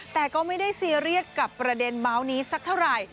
แต่ก็ไม่ได้ซีเรียสกับประเด็นเมาส์นี้สักเท่าไหร่